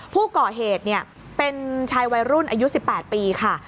ผู้ก่อเหตุเป็นชายวัยรุ่นอายุ๑๘ปีค่ะ